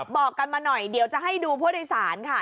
บอกกันมาหน่อยเดี๋ยวจะให้ดูผู้โดยสารค่ะ